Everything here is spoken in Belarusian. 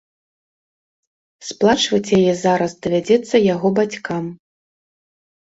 Сплачваць яе зараз давядзецца яго бацькам.